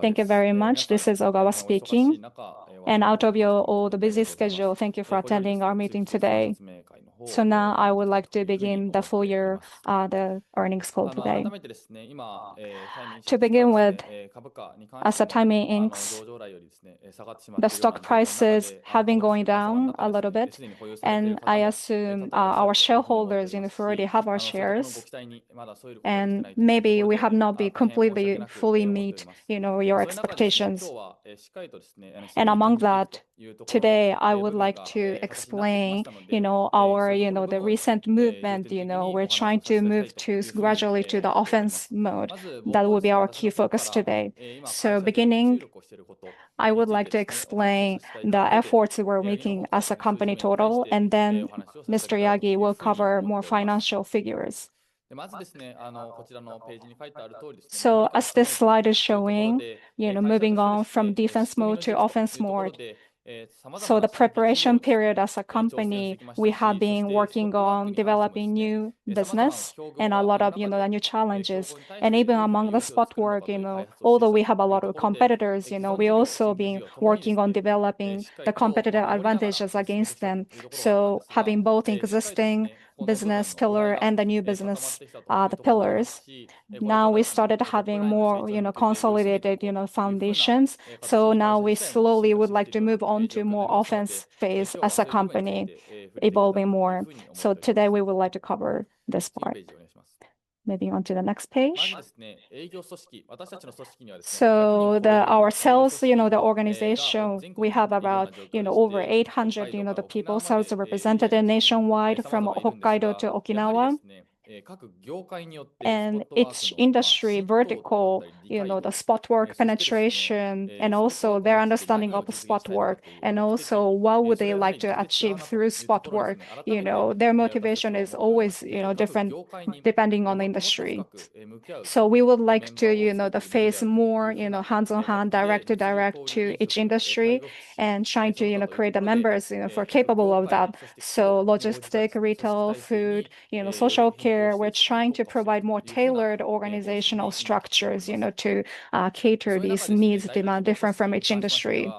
Thank you very much. This is Ogawa speaking. Out of your all the schedule, thank you for attending our meeting today. Now I would like to begin the full year earnings call today. To begin with, as a Timee, Inc., the stock prices have been going down a little bit. I assume our shareholders who already have our shares, maybe we have not been completely, fully meet your expectations. Among that, today, I would like to explain the recent movement. We are trying to move gradually to the offense mode. That will be our key focus today. Beginning, I would like to explain the efforts we are making as a company total, and then Mr. Yagi will cover more financial figures. As this slide is showing, moving on from defense mode to offense mode. The preparation period as a company, we have been working on developing new business and a lot of the new challenges. Even among the Spot Work, although we have a lot of competitors, we are also been working on developing the competitive advantages against them. Having both existing business pillar and the new business pillars. Now we started having more consolidated foundations. Now we slowly would like to move on to more offense phase as a company, evolving more. Today we would like to cover this part. Moving on to the next page. Our sales organization, we have about over 800 people, sales representative nationwide from Hokkaido to Okinawa. Its industry vertical, the Spot Work penetration, also their understanding of Spot Work. Also, what would they like to achieve through Spot Work? Their motivation is always different depending on the industry. We would like to face more hands-on-hand, direct to each industry, and trying to create the members who are capable of that. Logistic, retail, food, social care, we are trying to provide more tailored organizational structures to cater these needs demand different from each industry.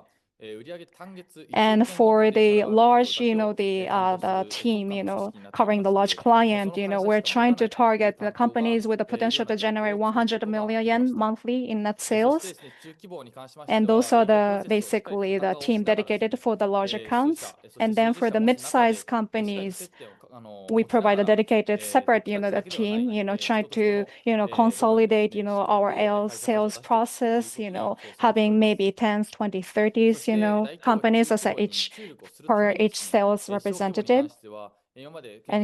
For the team covering the large client, we are trying to target the companies with the potential to generate 100 million yen monthly in net sales. Those are basically the team dedicated for the large accounts. Then for the mid-size companies, we provide a dedicated separate team trying to consolidate our sales process, having maybe 10, 20, 30 companies for each sales representative,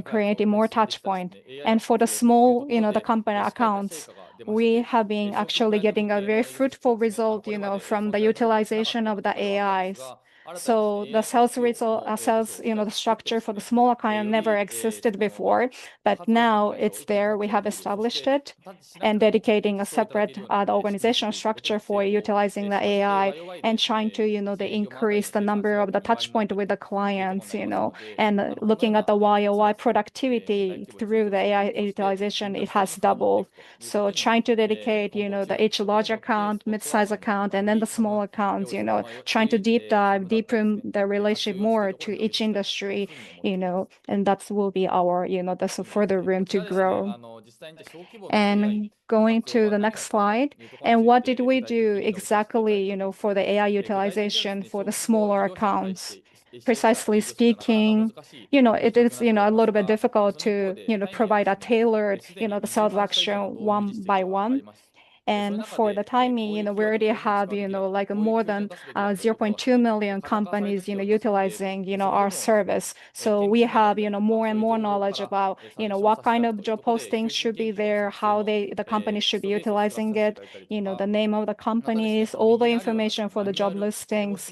creating more touch point. For the small company accounts, we have been actually getting a very fruitful result from the utilization of the AIs. The structure for the small account never existed before, but now it is there. We have established it. Dedicating a separate organizational structure for utilizing the AI and trying to increase the number of the touch point with the clients. Looking at the YoY productivity through the AI utilization, it has doubled. Trying to dedicate each large account, mid-size account, then the small accounts, trying to deep dive, deepen the relationship more to each industry, that will be our further room to grow. Going to the next slide. What did we do exactly for the AI utilization for the smaller accounts? Precisely speaking, it is a little bit difficult to provide a tailored sales action one-by-one. For Timee, we already have more than 0.2 million companies utilizing our service. We have more and more knowledge about what kind of job posting should be there, how the company should be utilizing it, the name of the companies, all the information for the job listings,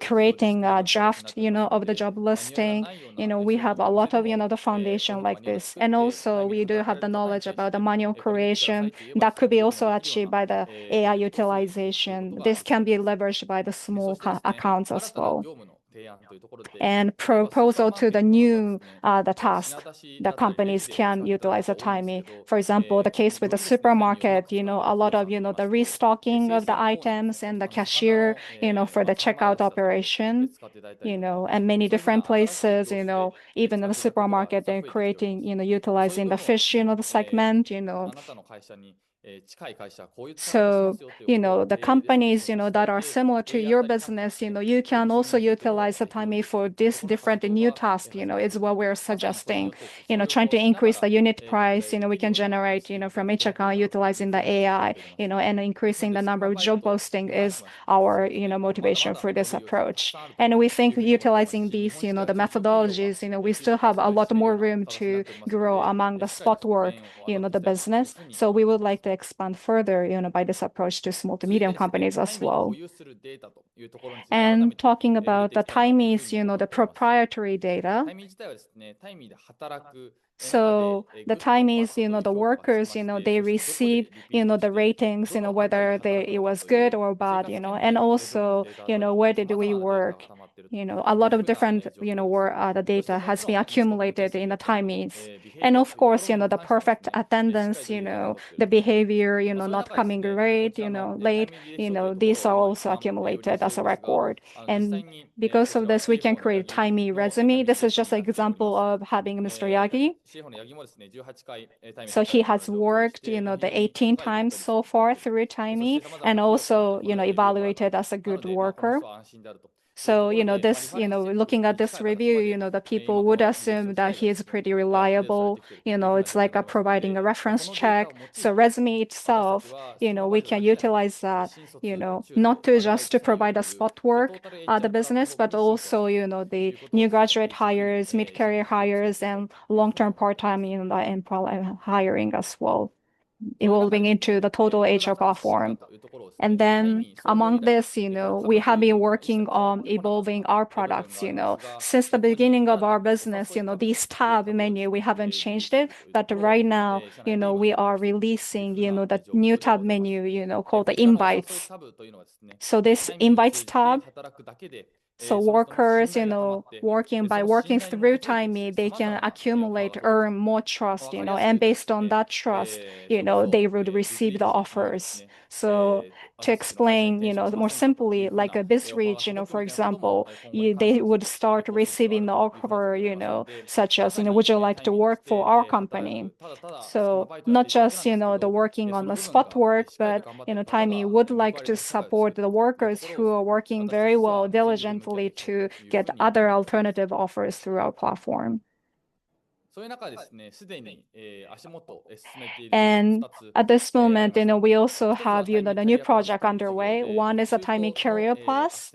creating a draft of the job listing. We have a lot of the foundation like this. Also we do have the knowledge about the manual creation that could be also achieved by the AI utilization. This can be leveraged by the small accounts as well. Proposal to the new task the companies can utilize at Timee. For example, the case with the supermarket, a lot of the restocking of the items and the cashier for the checkout operation, and many different places, even the supermarket, they're utilizing the fish segment. The companies that are similar to your business, you can also utilize the Timee for this different new task. It's what we're suggesting. Trying to increase the unit price we can generate from each account utilizing the AI and increasing the number of job posting is our motivation for this approach. We think utilizing these methodologies, we still have a lot more room to grow among the Spot Work business. We would like to expand further by this approach to small to medium companies as well. Talking about the Timee proprietary data. The Timee workers they receive the ratings, whether it was good or bad, and also where did we work. A lot of different data has been accumulated in the Timee's. Of course, the perfect attendance, the behavior, not coming late, these are also accumulated as a record. Because of this, we can create Timee Resume. This is just an example of having Mr. Yagi. He has worked 18x so far through Timee, also evaluated as a good worker. Looking at this review, the people would assume that he's pretty reliable. It's like providing a reference check. Resume itself, we can utilize that, not to just to provide a Spot Work business, but also, the new graduate hires, mid-career hires, and long-term part-timing employee hiring as well, evolving into the total HR platform. Then among this, we have been working on evolving our products. Since the beginning of our business, this tab menu, we haven't changed it, but right now we are releasing the new tab menu, called the invites. This invites tab, workers, by working through Timee, they can accumulate, earn more trust. Based on that trust, they would receive the offers. To explain, more simply like a BizReach for example, they would start receiving the offer such as, "Would you like to work for our company?" Not just the working on the Spot Work, but Timee would like to support the workers who are working very well, diligently to get other alternative offers through our platform. At this moment, we also have a new project underway. One is a Timee Career Plus.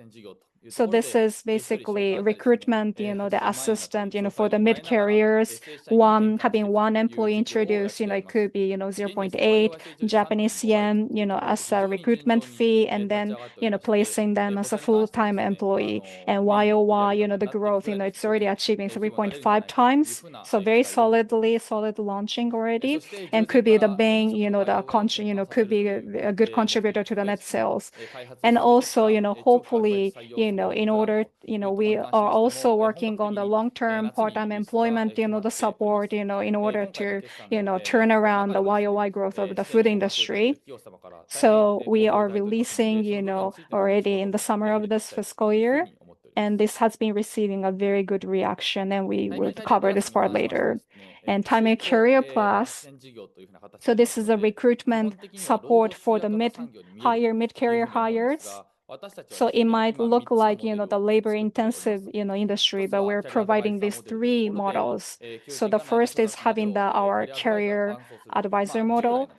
This is basically recruitment, the assistant for the mid-careers. One having one employee introduced, it could be 0.8 Japanese yen as a recruitment fee and then placing them as a full-time employee. YoY growth, it's already achieving 3.5x, very solidly, solid launching already. Could be the bank, could be a good contributor to the net sales. Hopefully, we are also working on the long-term part-time employment, the support, in order to turn around the YoY growth of the food industry. We are releasing already in the summer of this fiscal year, and this has been receiving a very good reaction, and we will cover this part later. Timee Career Plus, this is a recruitment support for the mid-career hires. It might look like the labor-intensive industry, but we're providing these three models. The first is having our career advisor model.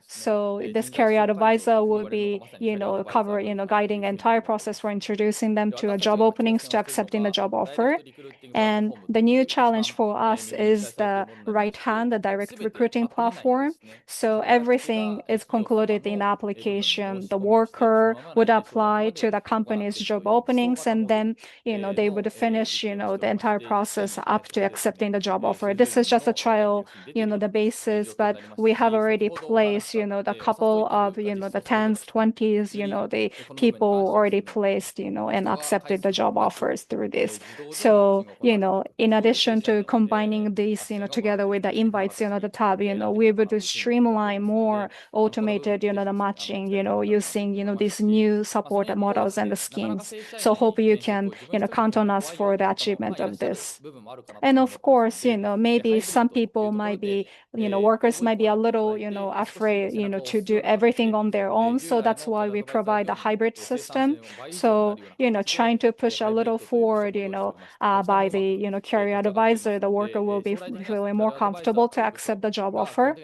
This career advisor will be guiding the entire process. We're introducing them to job openings to accepting the job offer. The new challenge for us is the right hand, the direct recruiting platform. Everything is concluded in application. The worker would apply to the company's job openings, then they would finish the entire process up to accepting the job offer. This is just a trial, the basis, but we have already placed a couple of tens, twenties people already placed and accepted the job offers through this. In addition to combining these together with the Invites tab, we are able to streamline more automated matching, using these new support models and the schemes. Hope you can count on us for the achievement of this. Of course, maybe some workers might be a little afraid to do everything on their own. That's why we provide the hybrid system. Trying to push a little forward by the career advisor, the worker will be feeling more comfortable to accept the job offer.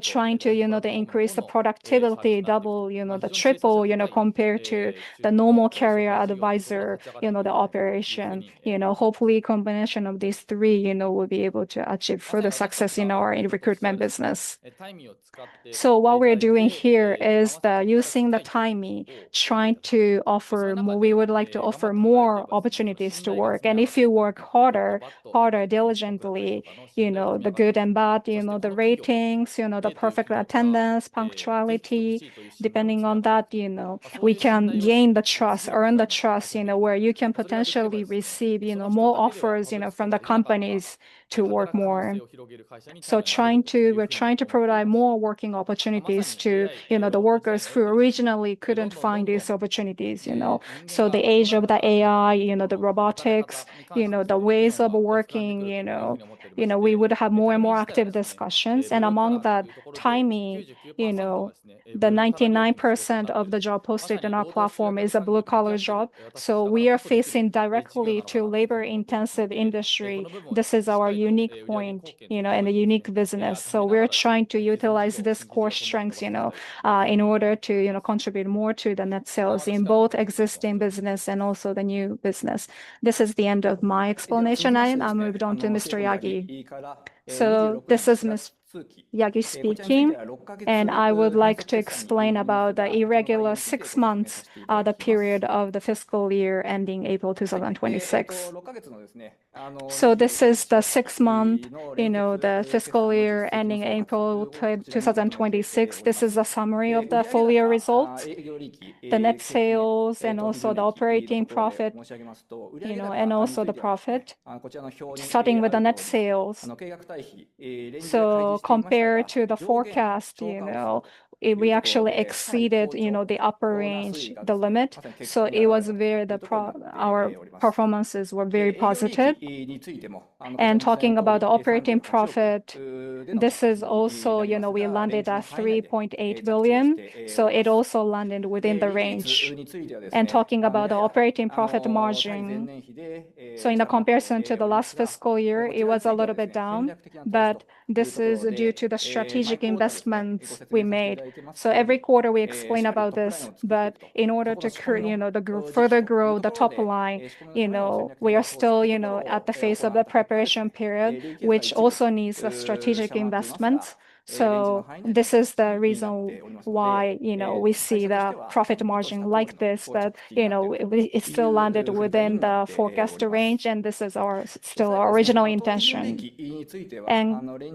Trying to increase the productivity, double, triple, compared to the normal career advisor, the operation. Hopefully, combination of these three will be able to achieve further success in our recruitment business. What we're doing here is the using the Timee, trying to offer more. We would like to offer more opportunities to work. If you work harder, diligently, good and bad ratings, the perfect attendance, punctuality, depending on that, we can gain the trust, earn the trust, where you can potentially receive more offers from the companies to work more. We're trying to provide more working opportunities to the workers who originally couldn't find these opportunities. The age of the AI, the robotics, the ways of working, we would have more and more active discussions. Among that Timee, 99% of the job posted in our platform is a blue-collar job. We are facing directly to labor-intensive industry. This is our unique point, a unique business. We are trying to utilize this core strength, in order to contribute more to the net sales in both existing business and also the new business. This is the end of my explanation. I moved on to Mr. Yagi. This is Yagi speaking, I would like to explain about the irregular six months period of the fiscal year ending April 2026. This is the sixth month fiscal year ending April 2026. This is a summary of the full year results, net sales, and also the operating profit, and also the profit, starting with the net sales. Compared to the forecast, we actually exceeded the upper range limit. It was where our performances were very positive. Talking about the operating profit, this is also, we landed at 3.8 billion, it also landed within the range. Talking about the operating profit margin, in the comparison to the last fiscal year, it was a little bit down, but this is due to the strategic investments we made. Every quarter we explain about this, but in order to further grow the top line, we are still at the phase of the preparation period, which also needs strategic investments. This is the reason why we see the profit margin like this. It still landed within the forecasted range, and this is still our original intention.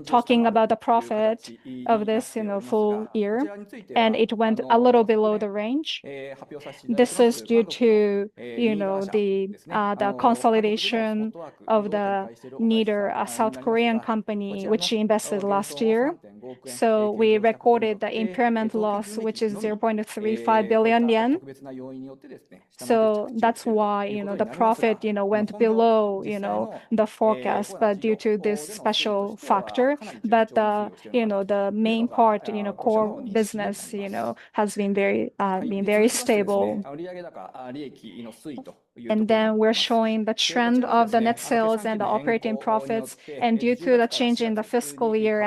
Talking about the profit of this full year, it went a little below the range. This is due to the consolidation of the need of a South Korean company, which we invested last year. We recorded the impairment loss, which is 0.35 billion yen. That's why the profit went below the forecast, but due to this special factor. The main part, core business, has been very stable. We're showing the trend of the net sales and the operating profits, due to the change in the fiscal year,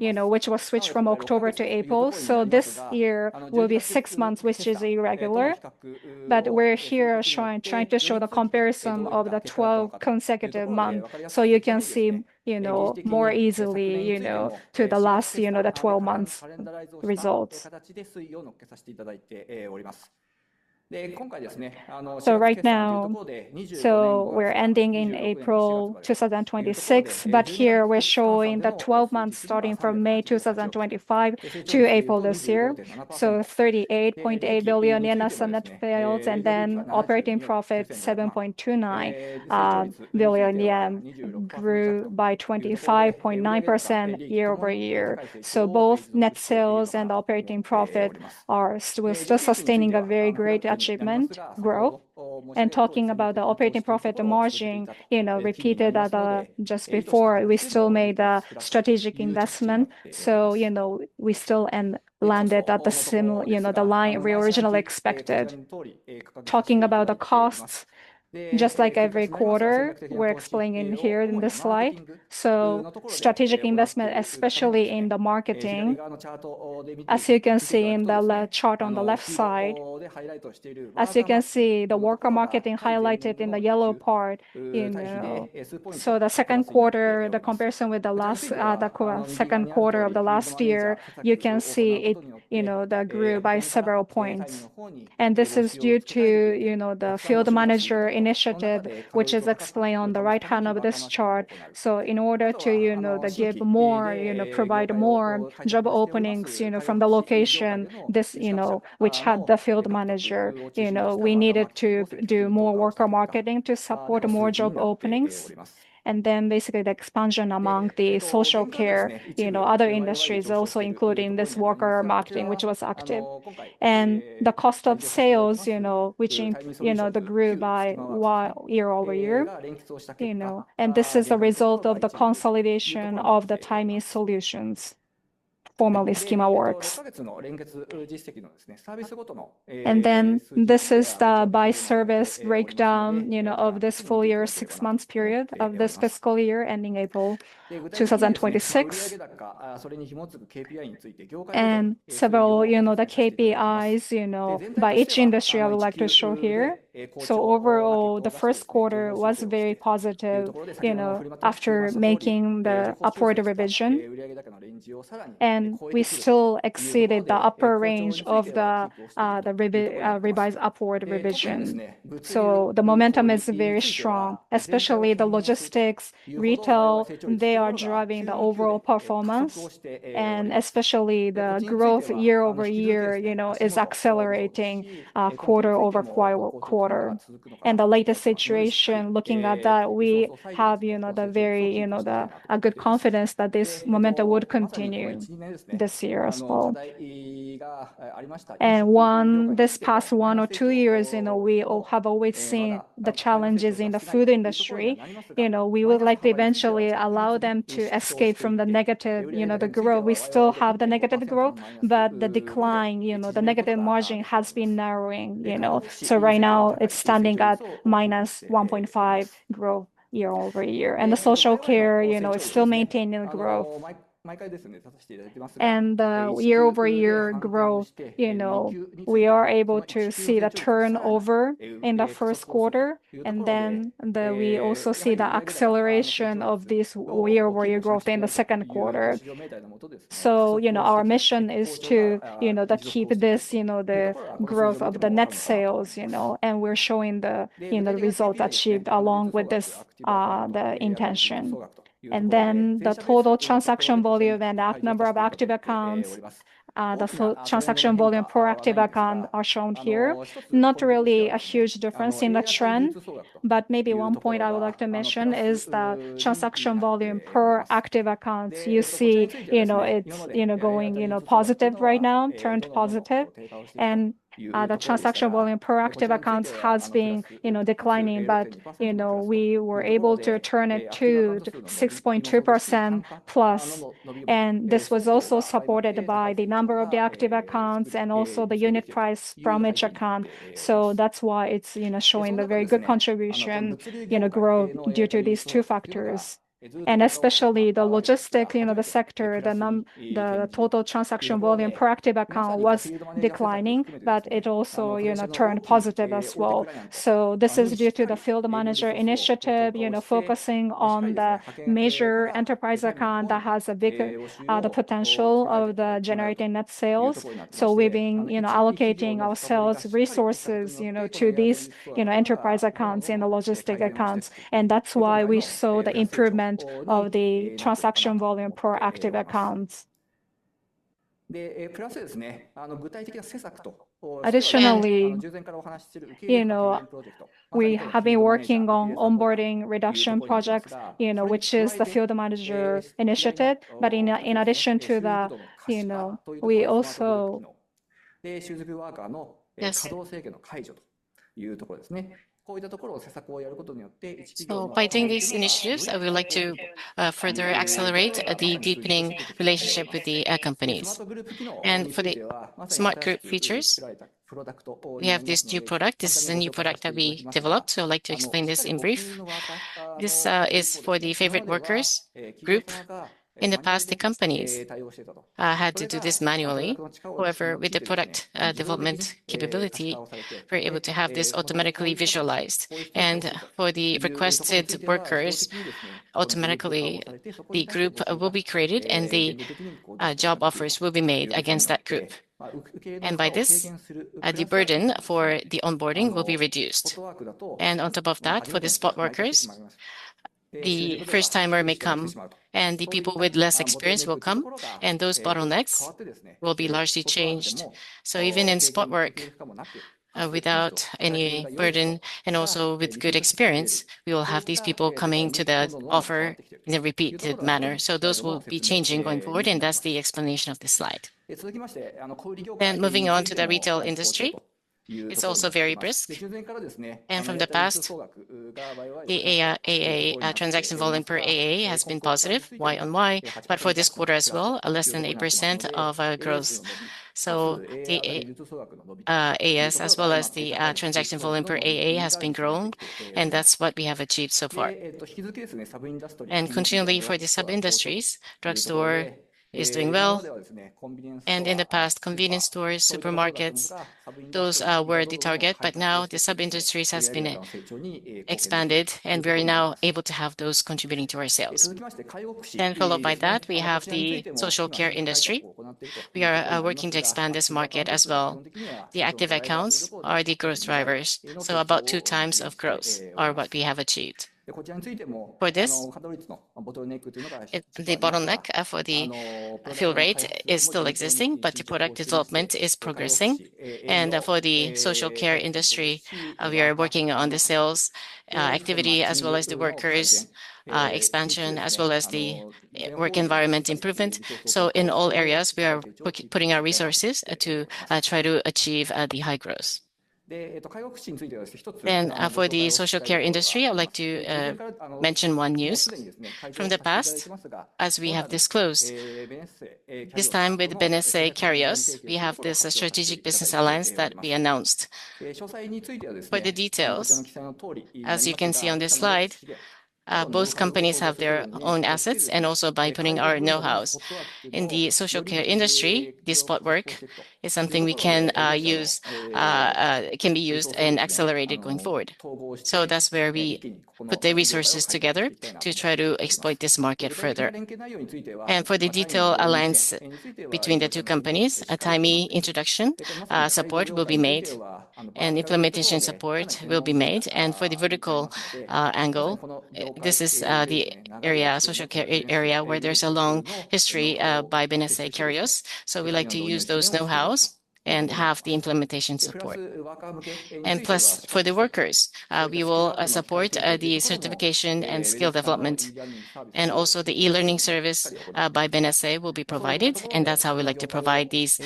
which will switch from October to April. This year will be six months, which is irregular. We're here trying to show the comparison of the 12 consecutive months so you can see more easily to the last 12 months results. Right now, we're ending in April 2026, but here we're showing the 12 months starting from May 2025 to April this year. 38.8 billion yen as the net sales, operating profits JPY 7.29 billion, grew by 25.9% year-over-year. Both net sales and operating profit are still sustaining a very great achievement growth. Talking about the operating profit margin, repeated just before, we still made a strategic investment. We still landed at the line we originally expected. Talking about the costs, just like every quarter, we're explaining here in this slide. Strategic investment, especially in the marketing. As you can see in the chart on the left side, as you can see, the worker marketing highlighted in the yellow part. Q2, the comparison with Q2 of the last year, you can see it grew by several points. This is due to the field manager initiative, which is explained on the right hand of this chart. In order to provide more job openings from the location which had the field manager, we needed to do more worker marketing to support more job openings. Basically the expansion among the social care, other industries also, including this worker marketing, which was active. The cost of sales grew by year-over-year. This is a result of the consolidation of the Timee Solutions, formerly Schema works. This is the by-service breakdown of this full year, six months period of this fiscal year ending April 2026. Several of the KPIs by each industry I would like to show here. Overall, Q1 was very positive, after making the upward revision. We still exceeded the upper range of the revised upward revision. The momentum is very strong, especially the logistics, retail, they are driving the overall performance. Especially the growth year-over-year is accelerating quarter-over-quarter. The latest situation, looking at that, we have a good confidence that this momentum would continue this year as well. This past one or two years, we have always seen the challenges in the food industry. We would like to eventually allow them to escape from the negative growth. We still have the negative growth, but the decline, the negative margin has been narrowing. Right now it's standing at -1.5% growth year-over-year. The social care is still maintaining growth. The year-over-year growth, we are able to see the turnover in the Q1 then we also see the acceleration of this year-over-year growth in Q2. Our mission is to keep the growth of the net sales. We're showing the results achieved along with the intention. The total transaction volume and the number of active accounts, the transaction volume per active account are shown here. Not really a huge difference in the trend, but maybe one point I would like to mention is the transaction volume per active accounts. You see it's going positive right now, turned positive. The transaction volume per active accounts has been declining, but we were able to turn it to 6.2%+. This was also supported by the number of the active accounts and also the unit price from each account. That's why it's showing the very good contribution growth due to these two factors. Especially the logistic sector, the total transaction volume per active account was declining, but it also turned positive as well. This is due to the field manager initiative, focusing on the major enterprise account that has a bigger potential of generating net sales. We've been allocating our sales resources to these enterprise accounts in the logistic accounts, and that's why we saw the improvement of the transaction volume per active accounts. Additionally, we have been working on onboarding reduction projects, which is the field manager initiative. In addition to that, we also by taking these initiatives, I would like to further accelerate the deepening relationship with the companies. For the Smart Group features, we have this new product. This is a new product that we developed, so I'd like to explain this in brief. This is for the favorite workers group. In the past, the companies had to do this manually. However, with the product development capability, we're able to have this automatically visualized. For the requested workers, automatically the group will be created and the job offers will be made against that group. By this, the burden for the onboarding will be reduced. On top of that, for the spot workers, the first-timer may come and the people with less experience will come, and those bottlenecks will be largely changed. Even in Spot Work, without any burden and also with good experience, we will have these people coming to the offer in a repeated manner. Those will be changing going forward, and that's the explanation of this slide. Moving on to the retail industry. It's also very brisk. From the past, the transaction volume per AA has been positive year-on-year, but for this quarter as well, less than 8% of growth. The AS as well as the transaction volume per AA has been growing, and that is what we have achieved so far. Continually for the sub-industries, drugstore is doing well. In the past, convenience stores, supermarkets, those were the target, but now the sub-industries has been expanded, and we are now able to have those contributing to our sales. Followed by that, we have the social care industry. We are working to expand this market as well. The active accounts are the growth drivers, so about 2x of growth are what we have achieved. For this, the bottleneck for the fill rate is still existing, but the product development is progressing. For the social care industry, we are working on the sales activity as well as the workers expansion, as well as the work environment improvement. In all areas, we are putting our resources to try to achieve the high growth. For the social care industry, I would like to mention one news. From the past, as we have disclosed, this time with Benesse Careers, we have this strategic business alliance that we announced. For the details, as you can see on this slide, both companies have their own assets, and also by putting our know-hows in the social care industry, the Spot Work is something can be used and accelerated going forward. That is where we put the resources together to try to exploit this market further. For the detail alliance between the two companies, a Timee introduction support will be made, and implementation support will be made. For the vertical angle, this is the social care area where there is a long history by Benesse Careers. We like to use those know-hows and have the implementation support. Plus, for the workers, we will support the certification and skill development, and also the e-learning service by Benesse will be provided, and that is how we like to provide these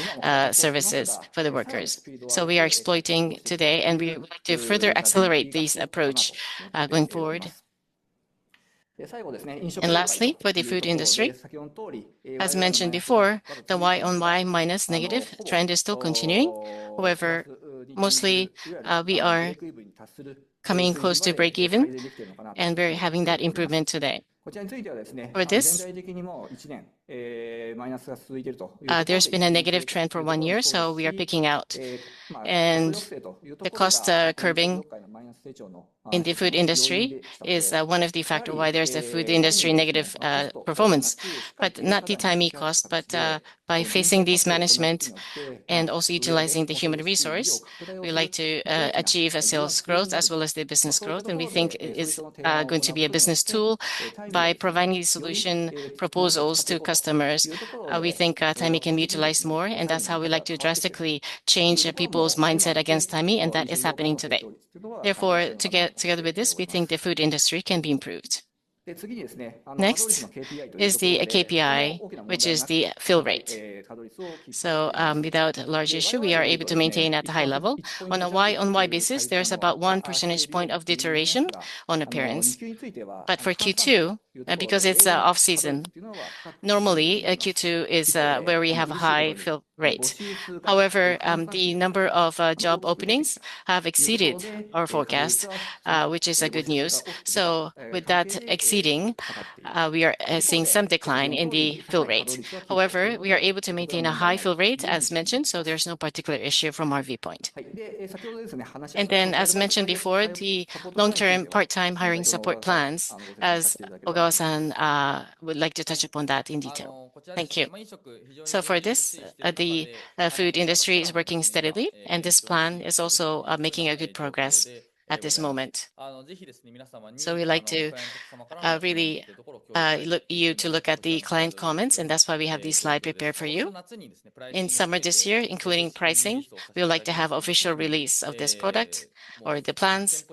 services for the workers. We are exploiting today, and we would like to further accelerate this approach going forward. Lastly, for the food industry, as mentioned before, the YoY minus negative trend is still continuing. However, mostly we are coming close to breakeven, and we are having that improvement today. For this, there has been a negative trend for one year, we are picking out. The cost curbing in the food industry is one of the factors why there is a food industry negative performance. Not the Timee cost, but by facing these management and also utilizing the human resource, we like to achieve a sales growth as well as the business growth. We think it is going to be a business tool by providing solution proposals to customers. We think Timee can utilize more, and that is how we like to drastically change people's mindset against Timee, and that is happening today. Together with this, we think the food industry can be improved. Next is the KPI, which is the fill rate. Without large issue, we are able to maintain at a high level. On a Year-on-Year basis, there is about one percentage point of deterioration on appearance. For Q2, because it is off-season, normally Q2 is where we have a high fill rate. The number of job openings have exceeded our forecast, which is a good news. With that exceeding, we are seeing some decline in the fill rate. We are able to maintain a high fill rate, as mentioned, so there is no particular issue from our viewpoint. As mentioned before, the long-term part-time hiring support plans, as Ogawa-san would like to touch upon that in detail. Thank you. For this, the food industry is working steadily, and this plan is also making a good progress at this moment. We like you to look at the client comments, and that is why we have this slide prepared for you. In summer this year, including pricing, we would like to have official release of this product or the plans.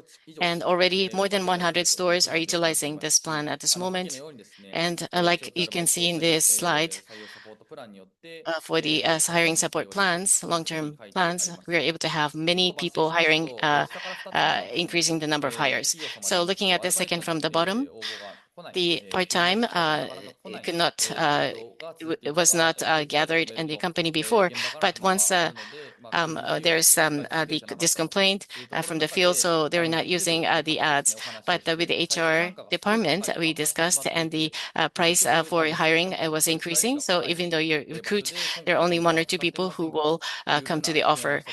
Already, more than 100 stores are utilizing this plan at this moment. Like you can see in this slide, for the hiring support plans, long-term plans, we are able to have many people hiring, increasing the number of hires. Looking at the second from the bottom, the part-time was not gathered in the company before, but once there is this complaint from the field, they are not using the ads. With the HR department, we discussed, and the price for hiring was increasing. Even though you recruit, there are only one or two people who will come to the offer.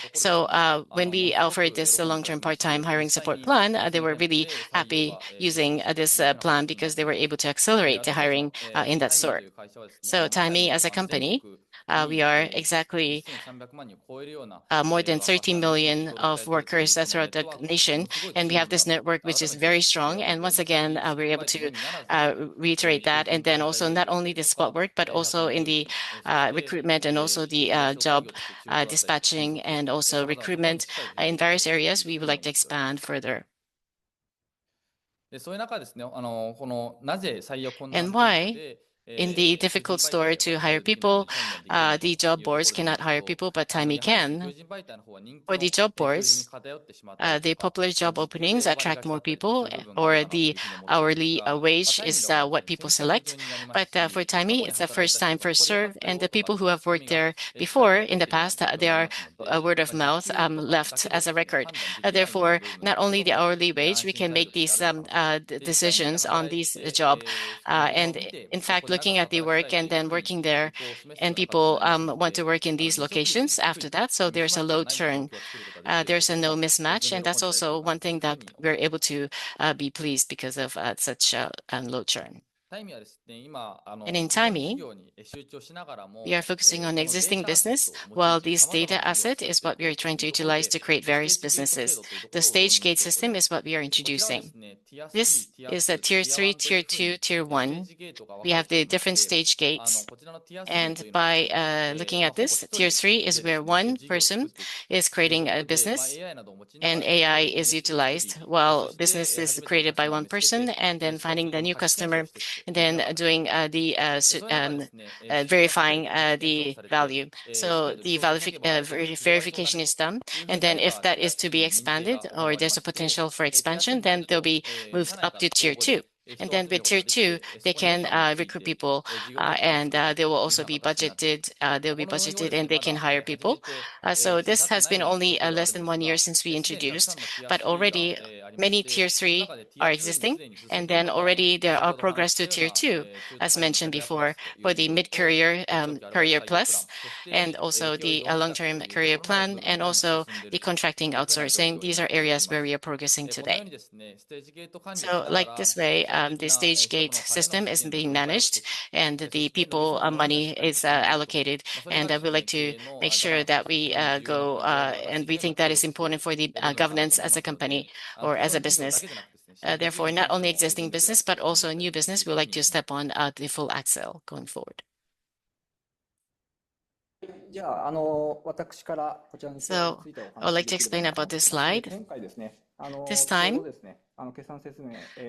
When we offered this long-term part-time hiring support plan, they were really happy using this plan because they were able to accelerate the hiring in that store. Timee, as a company, we are exactly more than 30 million workers that is throughout the nation, and we have this network, which is very strong. Once again, we are able to reiterate that. Also not only the Spot Work, but also in the recruitment and also the job dispatching and also recruitment in various areas, we would like to expand further. Why in the difficult store to hire people, the job boards cannot hire people, but Timee can? For the job boards, the popular job openings attract more people, or the hourly wage is what people select. For Timee, it is a first time first served, and the people who have worked there before in the past, their word of mouth left as a record. Therefore, not only the hourly wage, we can make these decisions on this job. In fact, looking at the work and then working there, and people want to work in these locations after that, there is a low churn. There is no mismatch, and that is also one thing that we are able to be pleased because of such low churn. In Timee, we are focusing on existing business, while this data asset is what we are trying to utilize to create various businesses. The Stage-Gate system is what we are introducing. This is a tier 3, tier 2, tier 1. We have the different stage gates. By looking at this, tier 3 is where one person is creating a business, AI is utilized while business is created by one person, then finding the new customer, then doing the verifying the value. The verification is done, then if that is to be expanded or there is a potential for expansion, then they will be moved up to tier 2. With tier 2, they can recruit people, they will be budgeted, and they can hire people. This has been only less than one year since we introduced, but already many tier 3 are existing. Already there are progress to tier 2, as mentioned before, for the mid-career, Career+, and also the long-term career plan and also the contracting outsourcing. These are areas where we are progressing today. Like this way, the Stage-Gate system is being managed, and the people money is allocated. We like to make sure that we go, and we think that is important for the governance as a company or as a business. Not only existing business but also a new business, we would like to step on the full accel going forward. I would like to explain about this slide. This time,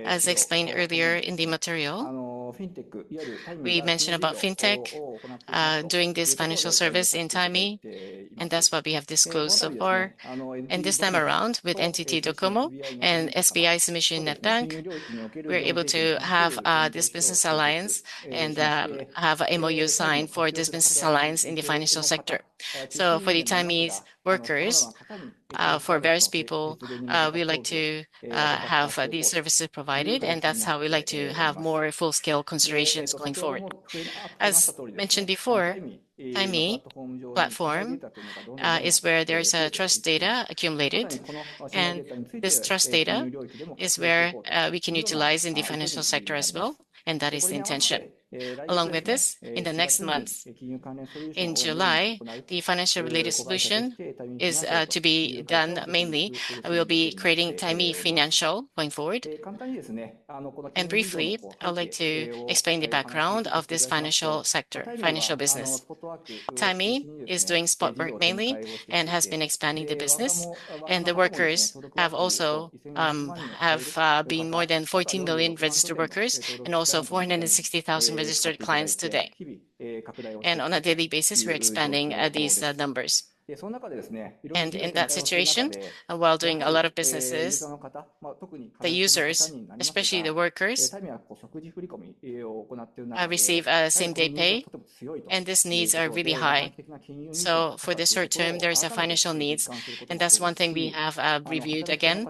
as explained earlier in the material, we mentioned about fintech, doing this financial service in Timee, and that's what we have disclosed so far. This time around, with NTT DOCOMO and SBI Sumishin Net Bank, we're able to have this business alliance and have an MOU signed for this business alliance in the financial sector. For the Timee's workers, for various people, we like to have these services provided, and that's how we like to have more full-scale considerations going forward. As mentioned before, Timee platform is where there is trust data accumulated, and this trust data is where we can utilize in the financial sector as well, and that is the intention. Along with this, in the next month, in July, the financial related solution is to be done mainly. We'll be creating Timee Financial going forward. Briefly, I would like to explain the background of this financial sector, financial business. Timee is doing Spot Work mainly and has been expanding the business, and the workers have been more than 14 million registered workers and also 460,000 registered clients today. On a daily basis, we're expanding these numbers. In that situation, while doing a lot of businesses, the users, especially the workers, receive same-day pay, and these needs are really high. For the short term, there is financial needs, and that's one thing we have reviewed again.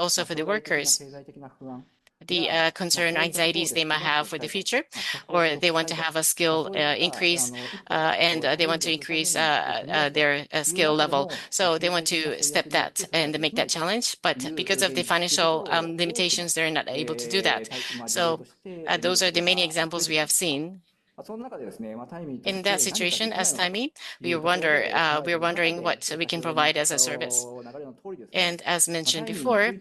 Also for the workers, the concern, anxieties they might have for the future, or they want to have a skill increase, and they want to increase their skill level. They want to set that and make that challenge. Because of the financial limitations, they're not able to do that. Those are the main examples we have seen. In that situation, as Timee, we're wondering what we can provide as a service. As mentioned before,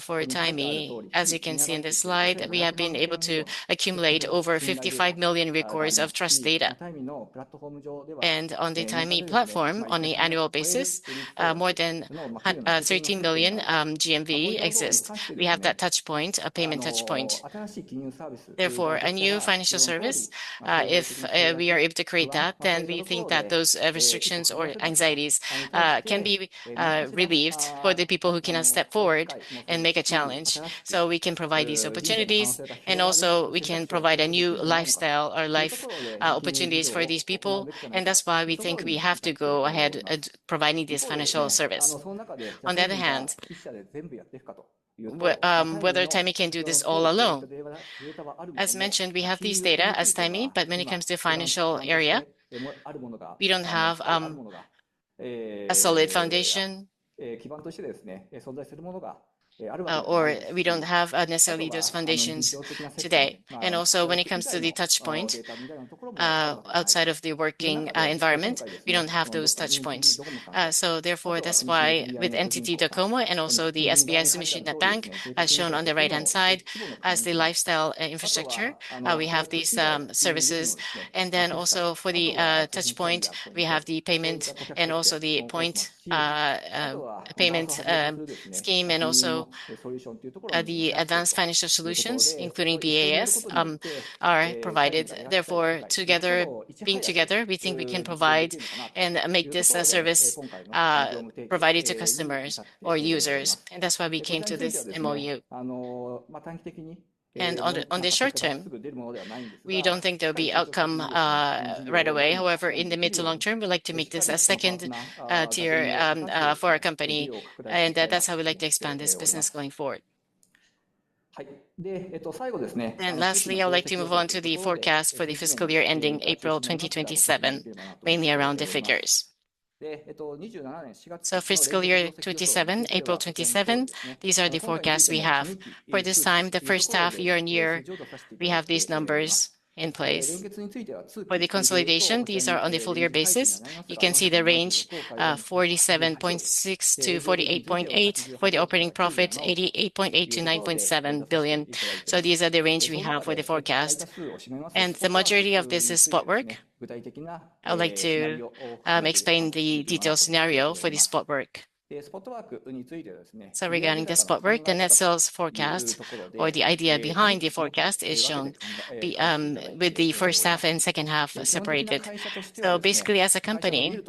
for Timee as you can see in this slide, we have been able to accumulate over 55 million records of trust data. On the Timee platform, on an annual basis, more than 13 million GMV exists. We have that touchpoint, a payment touchpoint. A new financial service, if we are able to create that, then we think that those restrictions or anxieties can be relieved for the people who cannot step forward and make a challenge. We can provide these opportunities, and also we can provide a new lifestyle or life opportunities for these people, and that's why we think we have to go ahead providing this financial service. On the other hand, whether Timee can do this all alone. As mentioned, we have these data as Timee, but when it comes to financial area, we don't have a solid foundation, or we don't have necessarily those foundations today. When it comes to the touchpoint, outside of the working environment, we don't have those touchpoints. That's why with NTT DOCOMO and also the SBI Sumishin Net Bank, as shown on the right-hand side, as the lifestyle infrastructure, we have these services. For the touchpoint, we have the payment and also the point payment scheme and also the advanced financial solutions, including BaaS, are provided. Being together, we think we can provide and make this a service provided to customers or users. That's why we came to this MOU. On the short term, we don't think there'll be outcome right away. However, in the mid to long term, we'd like to make this a second tier for our company, and that's how we'd like to expand this business going forward. Lastly, I would like to move on to the forecast for the fiscal year ending April 2027, mainly around the figures. Fiscal year 2027, April 2027, these are the forecasts we have. For this time, the H1 year-over-year, we have these numbers in place. For the consolidation, these are on a full year basis. You can see the range, 47.6 billion-48.8 billion. For the operating profit, 8.8 billion-9.7 billion. These are the range we have for the forecast. The majority of this is Spot Work. I would like to explain the detailed scenario for Spot Work. Regarding Spot Work, the net sales forecast or the idea behind the forecast is shown with the H1 and H2 separated. As a company,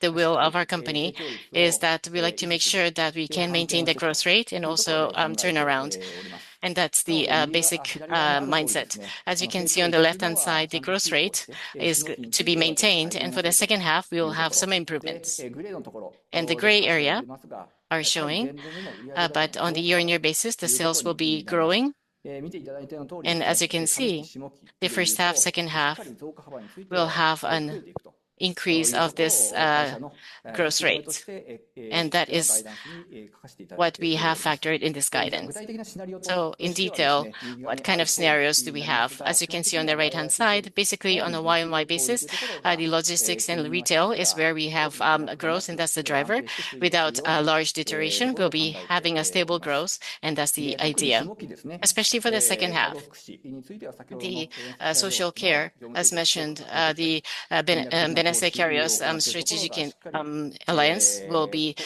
the will of our company is that we like to make sure that we can maintain the growth rate and also turn around, and that's the basic mindset. As you can see on the left-hand side, the growth rate is to be maintained, and for H2, we will have some improvements. The gray area is showing, but on a year-on-year basis, the sales will be growing. As you can see, the H1, H2 will have an increase of this growth rate, and that is what we have factored in this guidance. In detail, what kind of scenarios do we have? As you can see on the right-hand side, basically on a year-on-year basis, the logistics and retail is where we have growth, and that's the driver. Without a large deterioration, we'll be having a stable growth, and that's the idea. Especially for the H2. Social care, as mentioned, the Benesse Careers strategic alliance will be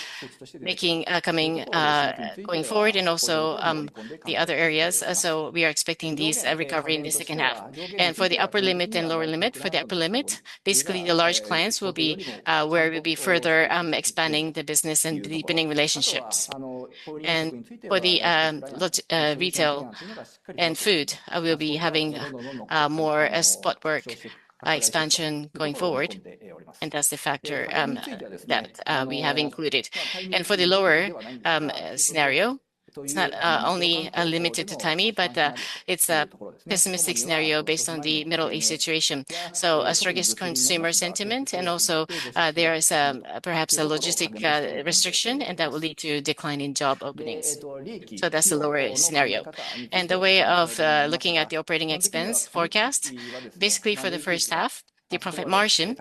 going forward and also the other areas. We are expecting this recovery in H2. For the upper limit and lower limit, for the upper limit, basically the large clients will be where we'll be further expanding the business and deepening relationships. For the retail and food, we'll be having more Spot Work expansion going forward, that's the factor that we have included. For the lower scenario, it's not only limited to Timee, but it's a pessimistic scenario based on the Middle East situation. A strongest consumer sentiment, also there is perhaps a logistic restriction, that will lead to decline in job openings. That's the lower scenario. The way of looking at the operating expense forecast, basically for the H1, the profit margin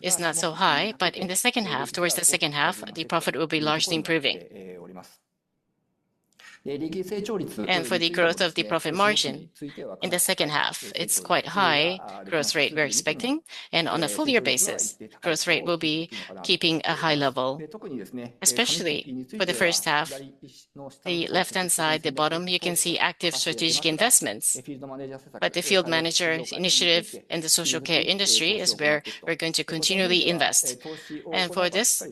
is not so high, but in the H2, towards H2, the profit will be largely improving. For the growth of the profit margin, in H2, it's quite high growth rate we're expecting. On a full year basis, growth rate will be keeping a high level, especially for the H1. The left-hand side, the bottom, you can see active strategic investments. The field manager initiative and the social care industry is where we're going to continually invest. For this,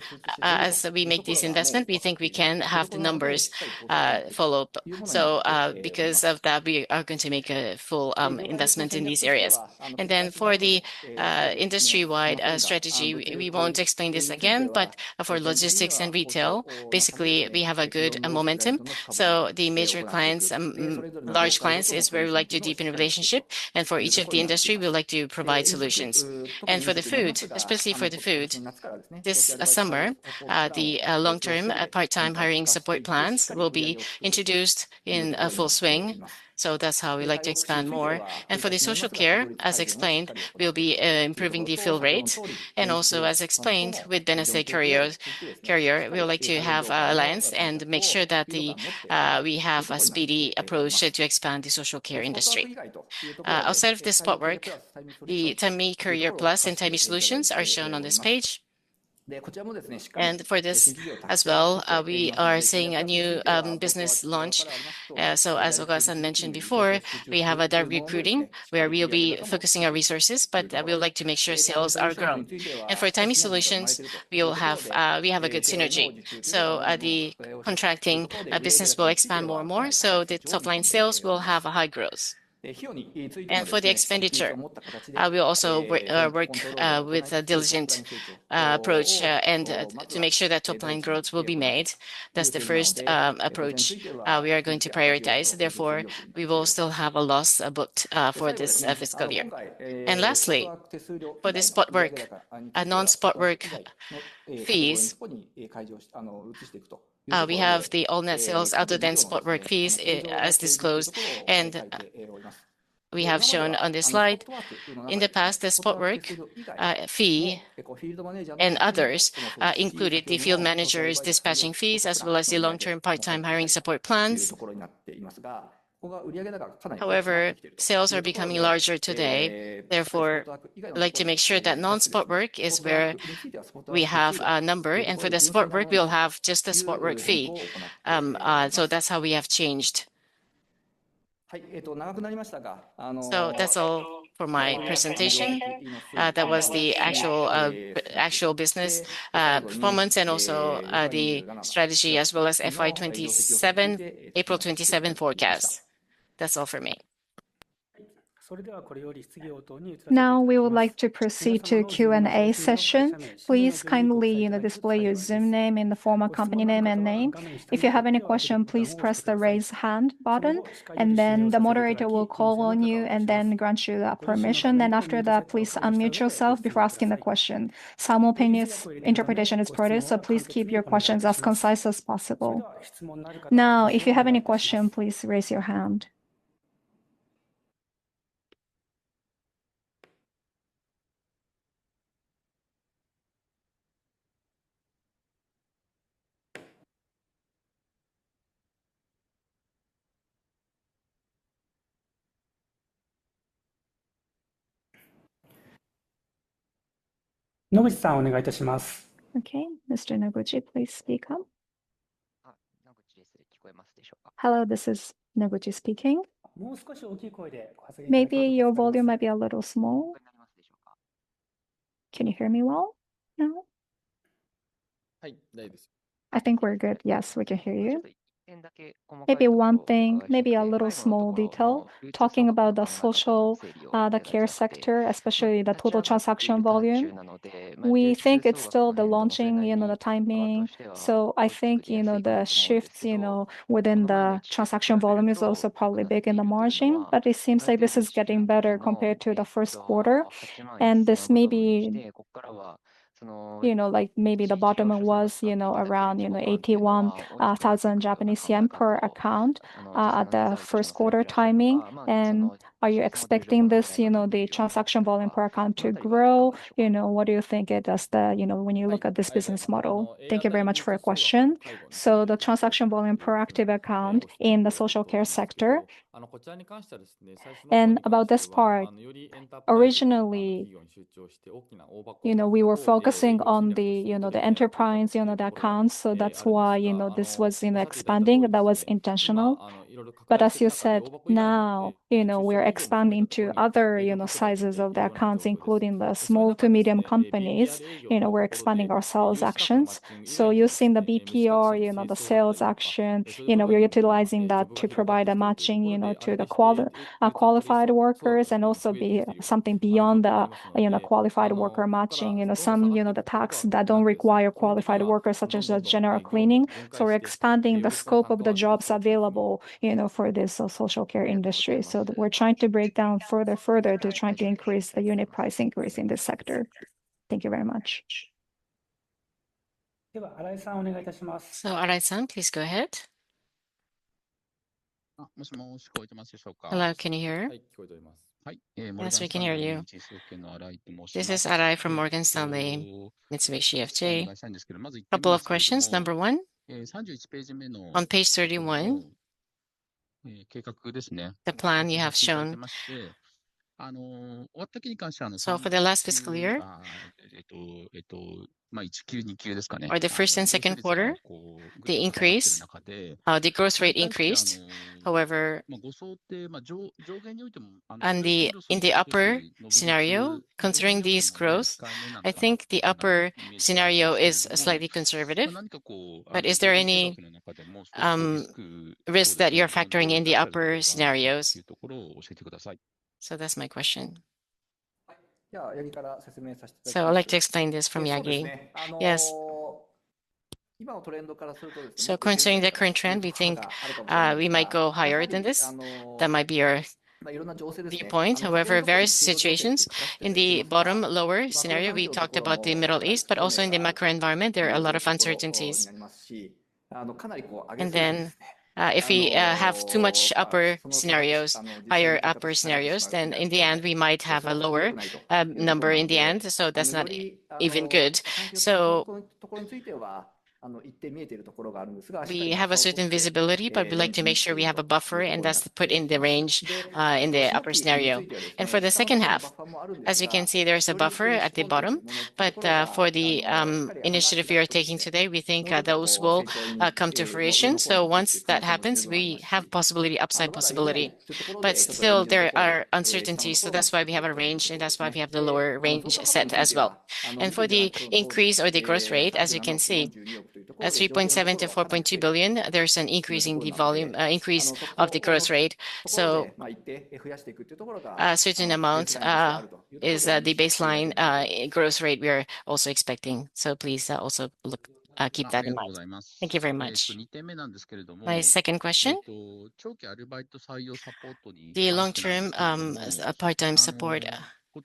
as we make this investment, we think we can have the numbers follow. Because of that, we are going to make a full investment in these areas. For the industry-wide strategy, we won't explain this again, for logistics and retail, basically we have a good momentum. The major clients, large clients, is where we like to deepen relationship. For each of the industry, we like to provide solutions. For the food, especially for the food, this summer, the long-term part-time hiring support plans will be introduced in full swing. That's how we like to expand more. For the social care, as explained, we'll be improving the fill rate. Also, as explained with Benesse Careers, we would like to have alliance and make sure that we have a speedy approach to expand the social care industry. Outside of the Spot Work, the Timee Career Plus and Timee Solutions are shown on this page. For this as well, we are seeing a new business launch. As Ogawa mentioned before, we have direct recruiting where we'll be focusing our resources, we would like to make sure sales are growing. For Timee Solutions, we have a good synergy. The contracting business will expand more and more, the top line sales will have a high growth. For the expenditure, we'll also work with a diligent approach to make sure that top-line growth will be made. That's the first approach we are going to prioritize. Therefore, we will still have a loss booked for this fiscal year. Lastly, for the Spot Work, a non-Spot Work fees, we have the all net sales other than Spot Work fees as disclosed. We have shown on this slide, in the past the Spot Work fee and others included the field managers' dispatching fees, as well as the long-term part-time hiring support plans. However, sales are becoming larger today. We like to make sure that non-Spot Work is where we have a number, for the Spot Work, we'll have just the Spot Work fee. That's how we have changed. That's all for my presentation. That was the actual business performance and also the strategy as well as FY 2027, April 2027 forecast. That's all for me. We would like to proceed to Q&A session. Please kindly display your Zoom name in the form of company name and name. If you have any question, please press the Raise Hand button, and then the moderator will call on you and then grant you the permission. After that, please unmute yourself before asking the question. Simultaneous interpretation is provided, so please keep your questions as concise as possible. If you have any question, please raise your hand. Okay. Mr. Noguchi, please speak up. Hello, this is Noguchi speaking. Maybe your volume might be a little small. Can you hear me well now? I think we're good. Yes, we can hear you. Maybe one thing, maybe a little small detail, talking about the social care sector, especially the total transaction volume. We think it's still the launching, the timing. I think, the shifts within the transaction volume is also probably big in the margin. It seems like this is getting better compared to the Q1. This may be the bottom was around 81,000 Japanese yen per account at the Q1 timing. Are you expecting the transaction volume per account to grow? What do you think it does when you look at this business model? Thank you very much for your question. The transaction volume per active account in the social care sector. About this part, originally, we were focusing on the enterprise accounts. That's why this was expanding. That was intentional. As you said, now we're expanding to other sizes of the accounts, including the small to medium companies. We're expanding our sales actions. Using the BPR, the sales action, we are utilizing that to provide a matching to the qualified workers and also something beyond the qualified worker matching. Some, the tasks that don't require qualified workers, such as general cleaning. We're expanding the scope of the jobs available for this social care industry. We're trying to break down further to try to increase the unit price increase in this sector. Thank you very much. Arai-san, please go ahead. Hello, can you hear? Yes, we can hear you. This is Arai from Morgan Stanley. A couple of questions. Number one, on page 31, the plan you have shown. For the last fiscal year, for the Q1 and Q2, the growth rate increased. However, in the upper scenario, considering this growth, I think the upper scenario is slightly conservative. Is there any risk that you're factoring in the upper scenarios? That's my question. I'd like to explain this from Yagi. Yes. Concerning the current trend, we think we might go higher than this. That might be our viewpoint. However, various situations in the bottom lower scenario, we talked about the Middle East, but also in the macro environment, there are a lot of uncertainties. If we have too much upper scenarios, higher upper scenarios, then in the end, we might have a lower number in the end. That's not even good. We have a certain visibility, but we like to make sure we have a buffer, and that's put in the range, in the upper scenario. For H2, as you can see, there is a buffer at the bottom. For the initiative we are taking today, we think those will come to fruition. Once that happens, we have possibility, upside possibility. Still there are uncertainties. That's why we have a range, and that's why we have the lower range set as well. For the increase or the growth rate, as you can see, at 3.7 billion to 4.2 billion, there's an increase of the growth rate. A certain amount is the baseline growth rate we are also expecting. Please also keep that in mind. Thank you very much. My second question, the long-term part-time support. I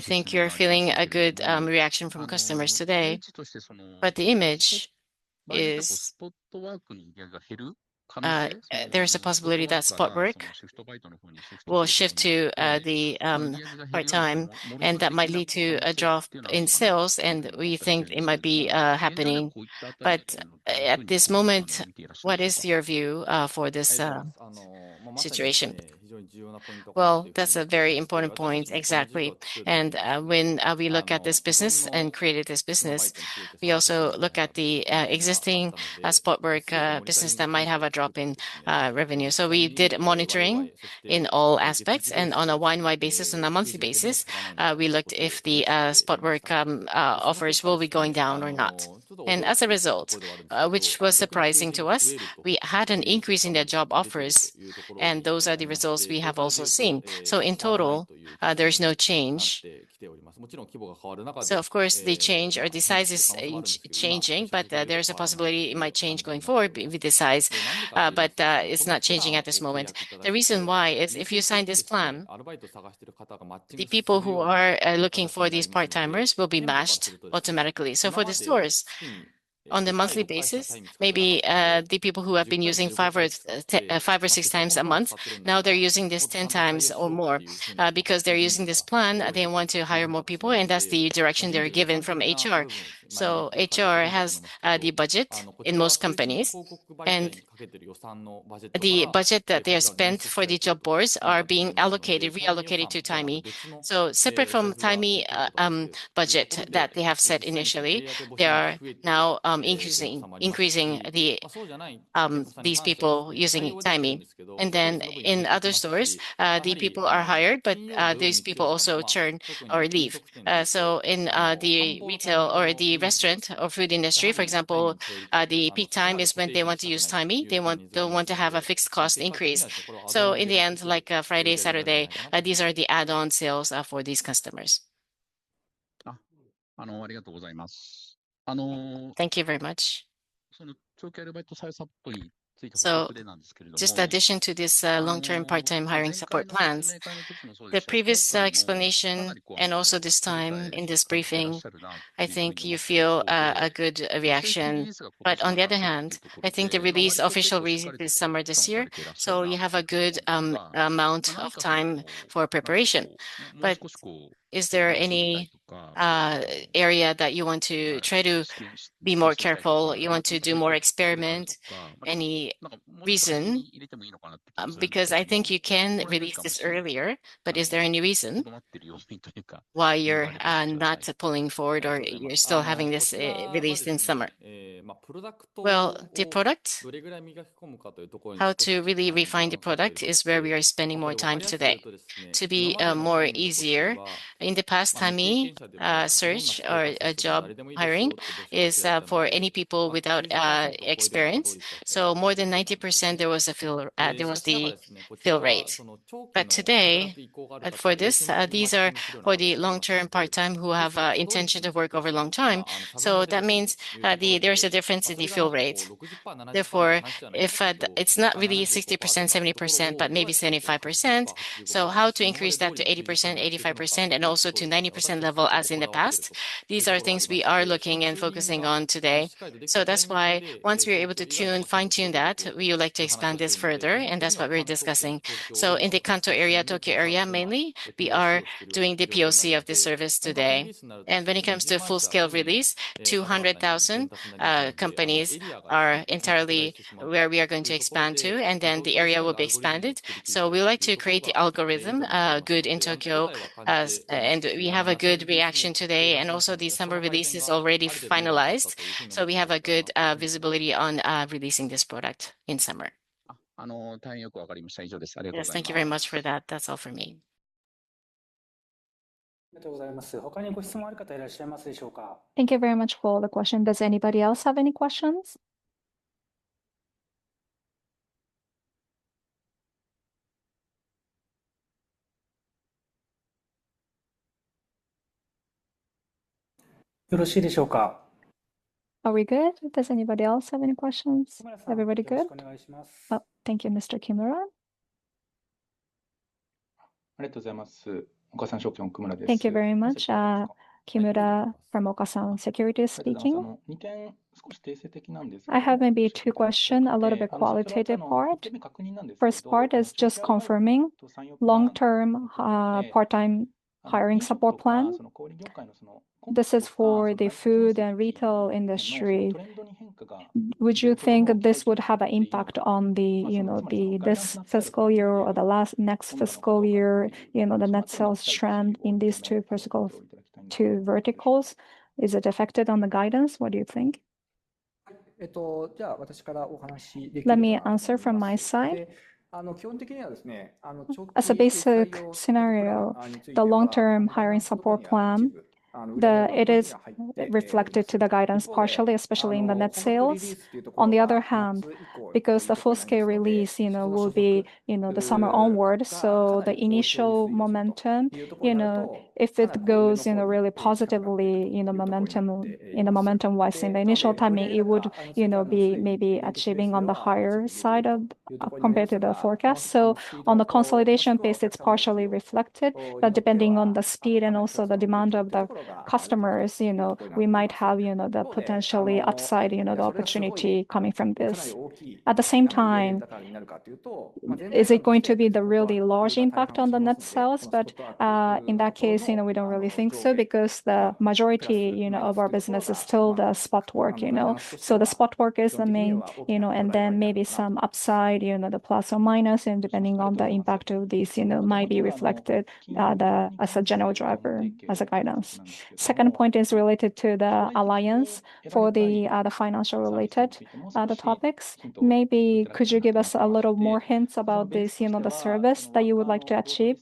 think you're feeling a good reaction from customers today, the image is there is a possibility that Spot Work will shift to the part-time, and that might lead to a drop in sales. We think it might be happening. At this moment, what is your view for this situation? Well, that's a very important point. Exactly. When we look at this business and created this business, we also look at the existing Spot Work business that might have a drop in revenue. We did monitoring in all aspects and on a YoY basis, on a monthly basis. We looked if the Spot Work offers will be going down or not. As a result, which was surprising to us, we had an increase in their job offers. Those are the results we have also seen. In total, there is no change. Of course, the size is changing, but there's a possibility it might change going forward with the size. It's not changing at this moment. The reason why is if you sign this plan, the people who are looking for these part-timers will be matched automatically. For the stores on the monthly basis, maybe the people who have been using 5x or 6x a month, now they're using this 10x or more. Because they're using this plan, they want to hire more people, and that's the direction they're given from HR. HR has the budget in most companies, and the budget that they spent for the job boards are being allocated, reallocated to Timee. Separate from Timee budget that they have set initially, they are now increasing these people using Timee. In other stores, the people are hired, but those people also churn or leave. In the retail or the restaurant or food industry, for example, the peak time is when they want to use Timee. They don't want to have a fixed cost increase. In the end, like Friday, Saturday, these are the add-on sales for these customers. Thank you very much. Just addition to this long-term part-time hiring support plans, the previous explanation, and also this time in this briefing, I think you feel a good reaction. On the other hand, I think the release official this summer this year, you have a good amount of time for preparation. Is there any area that you want to try to be more careful? You want to do more experiment? Any reason? Because I think you can release this earlier, but is there any reason why you're not pulling forward or you're still having this released in summer? The product, how to really refine the product is where we are spending more time today to be more easier. In the past, Timee search or job hiring is for any people without experience. More than 90%, there was the fill rate. Today, for this, these are for the long-term part-time who have intention to work over long time, that means that there's a difference in the fill rate. Therefore, it's not really 60%, 70%, but maybe 75%. How to increase that to 80%, 85%, and also to 90% level as in the past? These are things we are looking and focusing on today. That's why once we are able to fine-tune that, we would like to expand this further, and that's what we're discussing. In the Kanto area, Tokyo area mainly, we are doing the POC of this service today. When it comes to full scale release, 200,000 companies are entirely where we are going to expand to, the area will be expanded. We like to create the algorithm good in Tokyo, we have a good reaction today. Also the summer release is already finalized. We have a good visibility on releasing this product in summer. Yes, thank you very much for that. That's all for me. Thank you very much for the question. Does anybody else have any questions? Are we good? Does anybody else have any questions? Everybody good? Oh, thank you, Mr. Kimura. Thank you very much. Kimura from Okasan Securities speaking. I have maybe two question, a little bit qualitative part. First part is just confirming long-term part-time hiring support plan. This is for the food and retail industry. Would you think this would have an impact on this fiscal year or the next fiscal year, the net sales trend in these two verticals? Is it affected on the guidance? What do you think? Let me answer from my side. As a basic scenario, the long-term hiring support plan, it is reflected to the guidance partially, especially in the net sales. On the other hand, because the full-scale release will be the summer onward, the initial momentum, if it goes really positively in the momentum wise, in the initial timing, it would be maybe achieving on the higher side compared to the forecast. On the consolidation pace, it's partially reflected, but depending on the speed and also the demand of the customers, we might have the potentially upside, the opportunity coming from this. At the same time, is it going to be the really large impact on the net sales? In that case, we don't really think so because the majority of our business is still the Spot Work. The Spot Work is the main, and then maybe some upside, the plus or minus, and depending on the impact of this, might be reflected as a general driver, as a guidance. Second point is related to the alliance for the financial related topics. Maybe could you give us a little more hints about the service that you would like to achieve?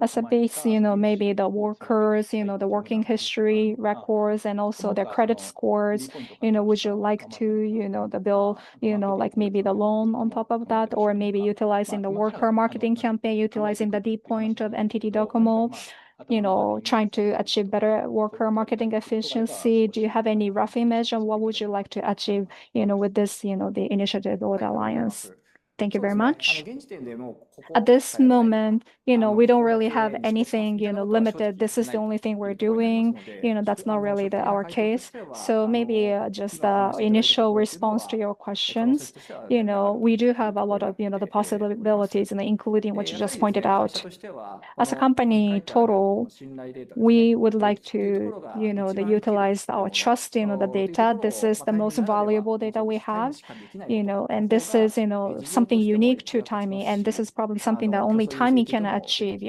As a base, maybe the workers, the working history records, and also their credit scores, would you like to, the bill, like maybe the loan on top of that? Or maybe utilizing the worker marketing campaign, utilizing the data point of NTT DOCOMO, trying to achieve better worker marketing efficiency. Do you have any rough image on what would you like to achieve with this initiative or the alliance? Thank you very much. At this moment, we don't really have anything limited. This is the only thing we're doing. That's not really our case. Maybe just initial response to your questions. We do have a lot of the possibilities, including what you just pointed out. As a company total, we would like to utilize our trust in the data. This is the most valuable data we have. This is something unique to Timee, and this is probably something that only Timee can achieve.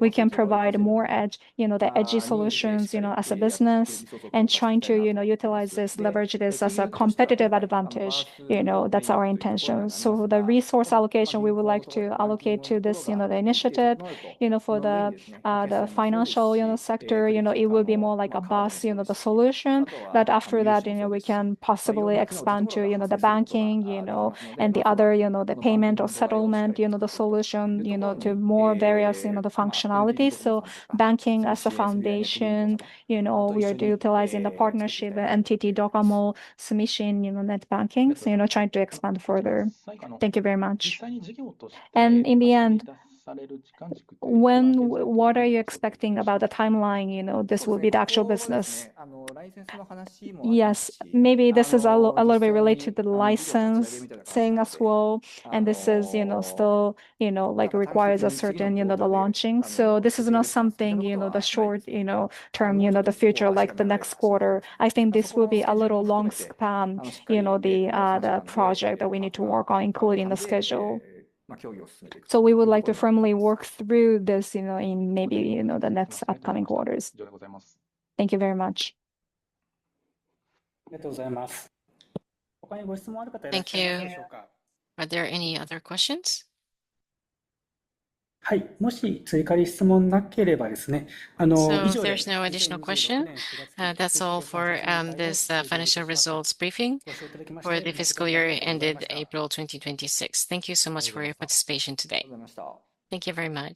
We can provide more edgy solutions, as a business and trying to utilize this, leverage this as a competitive advantage. That's our intention. The resource allocation, we would like to allocate to this initiative. For the financial sector, it will be more like a base solution. After that, we can possibly expand to the banking, and the other payment or settlement solution, to more various functionalities. Banking as a foundation, we are utilizing the partnership with NTT Docomo, SBI Sumishin Net Bank, trying to expand further. Thank you very much. In the end, what are you expecting about the timeline this will be the actual business? Yes. Maybe this is a little bit related to the license thing as well, and this still requires a certain launching. This is not something the short term, the future, like the next quarter. I think this will be a little long span, the project that we need to work on, including the schedule. We would like to firmly work through this in maybe the next upcoming quarters. Thank you very much. Thank you. Are there any other questions? If there's no additional question, that's all for this financial results briefing for the fiscal year ended April 2026. Thank you so much for your participation today. Thank you very much